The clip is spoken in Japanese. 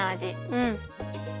うん。